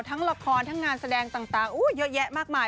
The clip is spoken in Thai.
ทั้งละครทั้งงานแสดงต่างเยอะแยะมากมาย